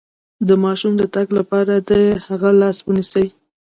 د ماشوم د تګ لپاره د هغه لاس ونیسئ